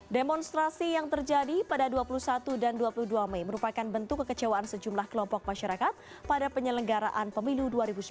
demonstrasi yang terjadi pada dua puluh satu dan dua puluh dua mei merupakan bentuk kekecewaan sejumlah kelompok masyarakat pada penyelenggaraan pemilu dua ribu sembilan belas